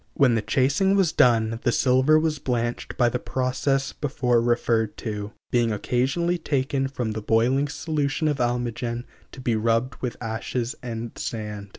When the chasing was done the silver was blanched by the process before referred to, being occasionally taken from the boiling solution of almogen to be rubbed with ashes and sand.